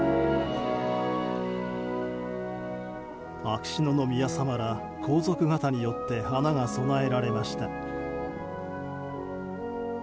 秋篠宮さまら皇族方によって花が供えられました。